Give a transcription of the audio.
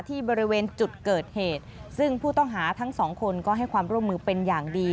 บริเวณจุดเกิดเหตุซึ่งผู้ต้องหาทั้งสองคนก็ให้ความร่วมมือเป็นอย่างดี